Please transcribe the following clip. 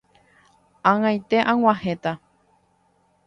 Ag̃aite ag̃uahẽta.